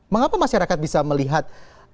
mengapa masyarakat bisa melihat